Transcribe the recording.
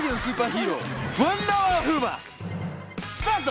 スタート！